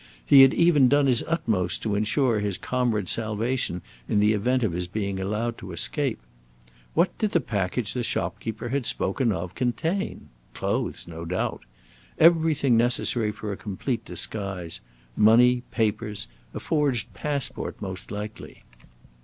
He had even done his utmost to insure his comrade's salvation in the event of his being allowed to escape. What did the package the shopkeeper had spoken of contain? Clothes, no doubt. Everything necessary for a complete disguise money, papers, a forged passport most likely.